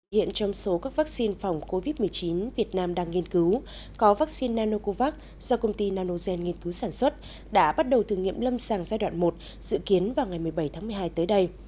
hiện trong số các vaccine phòng covid một mươi chín việt nam đang nghiên cứu có vaccine nanocovax do công ty nanogen nghiên cứu sản xuất đã bắt đầu thử nghiệm lâm sàng giai đoạn một dự kiến vào ngày một mươi bảy tháng một mươi hai tới đây